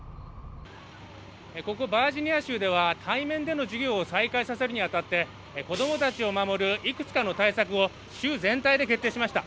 ここバージニア州では対面での授業を再開させるにあたって子どもたちを守るいくつかの対策を州全体で決定しました